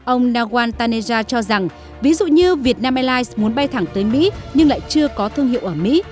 ông nawal taneja cho rằng ví dụ như vietnam airlines muốn bay thẳng tới mỹ nhưng lại chưa có thương hiệu ở mỹ